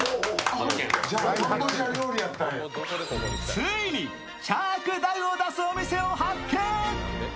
ついに、チャー・クダウを出すお店を発見！